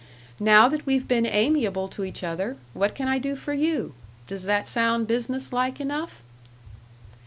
Now that we've been amiable to each other, what can I do for you?... Does that sound business like enough?"